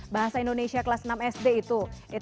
bahasa indonesia kelas enam sd itu